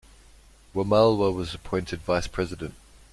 Wamalwa was appointed vice-president.